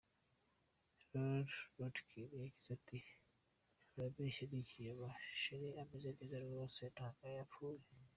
Loree Rodkin yagize ati :« Barabeshya, ni ikinyoma Cher ameze neza rwose ntago yapfuye.